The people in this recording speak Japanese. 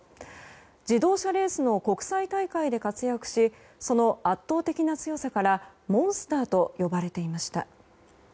自動車レースの国際大会で活躍しその圧倒的な強さからモンスターと呼ばれていました。